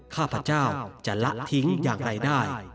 ข้าพเจ้าจะละทิ้งอย่างไรได้